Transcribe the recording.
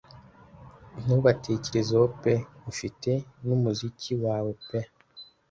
Ntubatekerezeho pe ufite n'umuziki wawe pe -